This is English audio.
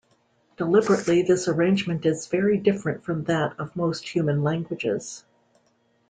Deliberately, this arrangement is very different from that of most human languages.